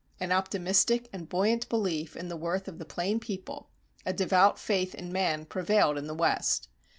An optimistic and buoyant belief in the worth of the plain people, a devout faith in man prevailed in the West.